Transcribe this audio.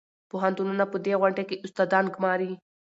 پوهنتونونه په دې غونډه کې استادان ګماري.